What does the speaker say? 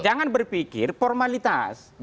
jangan berpikir formalitas